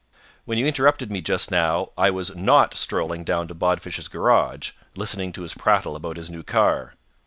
When you interrupted me just now, I was not strolling down to Bodfish's garage, listening to his prattle about his new car."